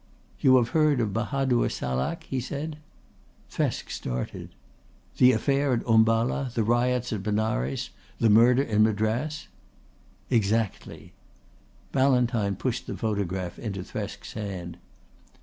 "You have heard of Bahadur Salak?" he said. Thresk started. "The affair at Umballa, the riots at Benares, the murder in Madras?" "Exactly." Ballantyne pushed the photograph into Thresk's hand.